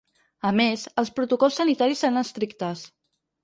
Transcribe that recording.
A més, els protocols sanitaris seran estrictes.